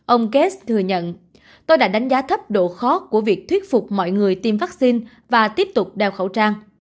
ông kate thừa nhận tôi đã đánh giá thấp độ khó của việc thuyết phục mọi người tiêm vaccine và tiếp tục đeo khẩu trang